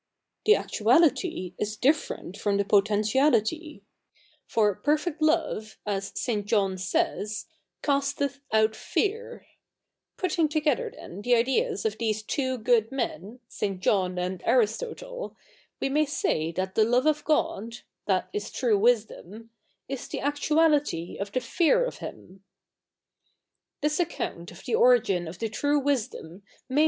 The actuality is different fro7n the pote7itiality ; for '■'■ perfect love,'" as St. John says, '' casteth out fear.'' Putting together, then, the ideas of these tivo good 77ien, St. John and Aristotle, we 77iay say that the love of God— that is true wisdom — is the actuality of th?. fear of Hi77i. 76 THE NEW REPUBLIC [bk. ii ' This account of the origin of the true wisdom may